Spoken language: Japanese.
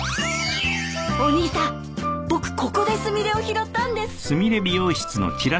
お兄さん僕ここでスミレを拾ったんです。